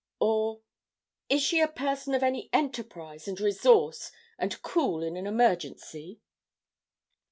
Or, 'Is she a person of any enterprise and resource, and cool in an emergency?'